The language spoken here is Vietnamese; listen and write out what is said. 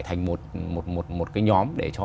thành một nhóm